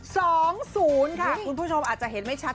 สองศูนย์ค่ะคุณผู้ชมอาจจะเห็นไม่ชัด